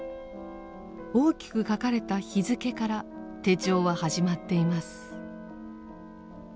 大きく書かれた日付から手帳は始まっています。